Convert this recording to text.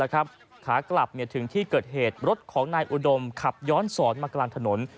ขากลับถึงที่เกิดเหตุรถของนายอุดมขับย้อนสอนมากลางถนน